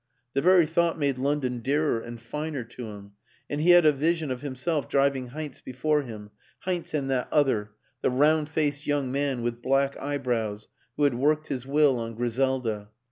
The very thought made London dearer and finer to him, and he had a vision of himself driving Heinz before him Heinz and that other, the round faced young man with black eyebrows who had worked his will on Griselda.